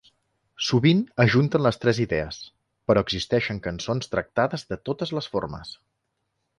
Sovint ajunten les tres idees, però existeixen cançons tractades de totes les formes.